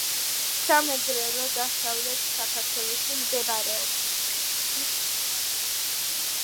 სამეგრელო დასავლეთ საქართველოში მდებარეობს.